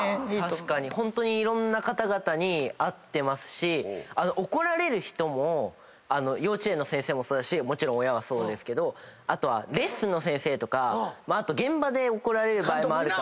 確かにいろんな方々に会ってますし怒られる人も幼稚園の先生もそうだしもちろん親はそうですけどあとはレッスンの先生とか現場で怒られる場合もあるから。